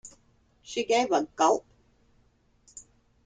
She gave a gulp.